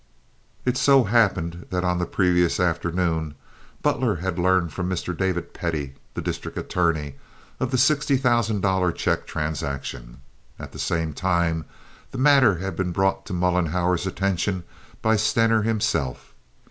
It so happened that upon the previous afternoon Butler had learned from Mr. David Pettie, the district attorney, of the sixty thousand dollar check transaction. At the same time the matter had been brought to Mollenhauer's attention by Stener himself.